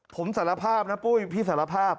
ผมสารภาพนะปุ้ยพี่สารภาพ